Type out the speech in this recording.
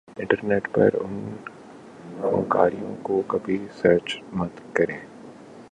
internet پر ان فنکاروں کو کبھی سرچ مت کریں